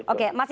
oke mas isur